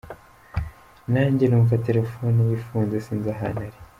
Nanjye numva telefone ye ifunze, sinzi ahantu ari”.